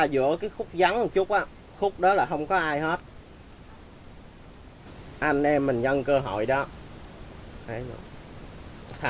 đại ân đã không cách hàng hóa